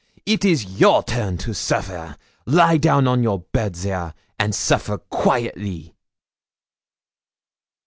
It is your turn to suffer. Lie down on your bed there, and suffer quaitely.'